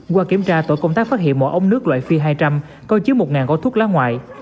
qua kiểm tra tổ công tác phát hiện một ống nước loại phi hai trăm linh có chứa một gói thuốc lá ngoại